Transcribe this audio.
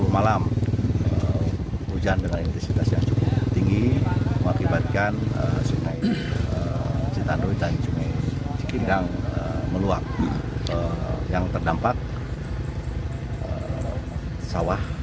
sepuluh malam hujan dengan intensitas yang tinggi mengakibatkan cikidang meluap yang terdampak sawah